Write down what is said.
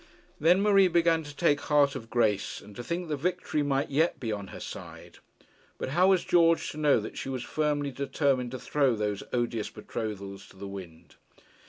Then Marie began to take heart of grace, and to think that victory might yet be on her side. But how was George to know that she was firmly determined to throw those odious betrothals to the wind?